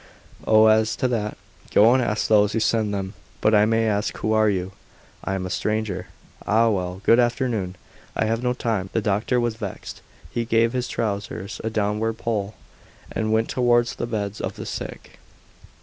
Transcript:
"Oh, as to that, go and ask those who send them. But may I ask who are you?" "I am a stranger." "Ah, well, good afternoon; I have no time." The doctor was vexed; he gave his trousers a downward pull, and went towards the beds of the sick.